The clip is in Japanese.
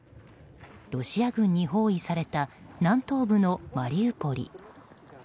ロシア軍に包囲された南東部のマリウポリ。